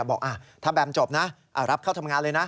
บอกถ้าแบมจบนะรับเข้าทำงานเลยนะ